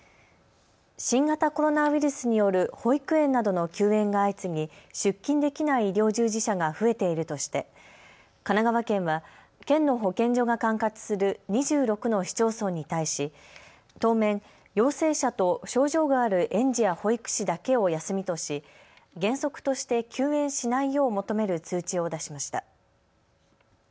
新型コロナウイルスによる保育園などの休園が相次ぎ出勤できない医療従事者が増えているとして神奈川県は県の保健所が管轄する２６の市町村に対し当面、陽性者と症状がある園児や保育士だけを休みとし原則として休園しないよう求める通知を出しました。